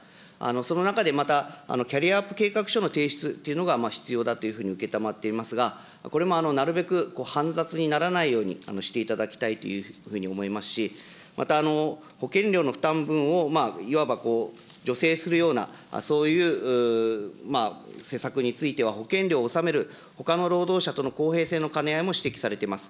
その中でまたキャリアアップ計画書の提出というのが必要だというふうに承っていますが、これもなるべく煩雑にならないようにしていただきたいというふうに思いますし、また保険料の負担分をいわば助成するような、そういう施策については、保険料を納めるほかの労働者との公平性の兼ね合いも指摘されています。